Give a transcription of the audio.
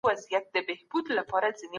مذهبونه د سولي او ورورولۍ پیغام ورکوي.